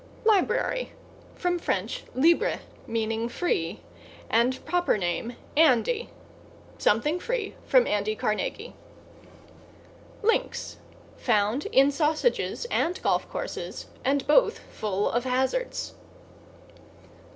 =LIBRARY= From Fr. libre, meaning free, and proper name =ANDY=. Something free from Andy Carnegie. =LINKS= Found in sausages and golf courses, and both full of hazards.